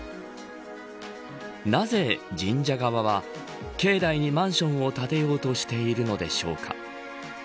なぜ、神社側は境内にマンションを建てようとしているのでしょうか。